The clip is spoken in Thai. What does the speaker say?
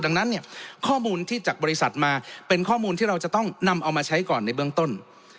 ดังนั้นเนี่ยข้อมูลที่จากบริษัทมาเป็นข้อมูลที่เราจะต้องนำเอามาใช้ก่อนในเบื้องต้น